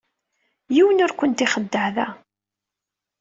Yiwen ur ken-ixeddeɛ da.